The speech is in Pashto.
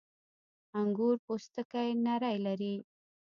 • انګور پوستکی نری لري.